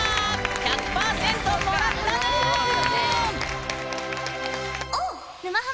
１００％もらったぬん。